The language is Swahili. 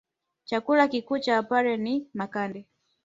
Chakula kikuu cha wpare ni makande